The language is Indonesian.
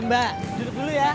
mbak duduk dulu ya